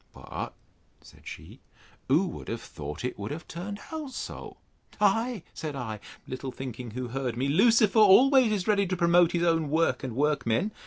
But, said she, who would have thought it would have turned out so? Ay, said I, little thinking who heard me, Lucifer always is ready to promote his own work and workmen.